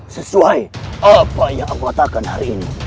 sesuai apa yang aku katakan hari ini